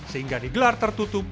sehingga digelar tertutup